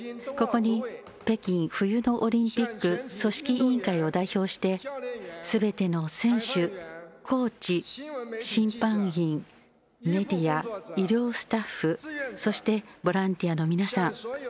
ここに北京冬のオリンピック組織委員会を代表してすべての選手、コーチ、審判員メディア医療スタッフそしてボランティアの皆さん